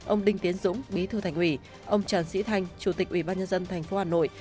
ông đinh tiến dũng bí thư thành ủy ông trần sĩ thanh chủ tịch ubnd tp hà nội